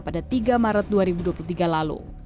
pada tiga maret dua ribu dua puluh tiga lalu